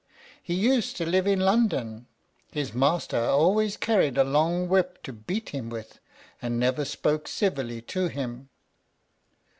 He used to live in London; his master always carried a long whip to beat him with, and never spoke civilly to him."